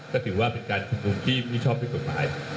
ก็ถือว่าเป็นการชุมนุมที่ไม่ชอบด้วยกฎหมาย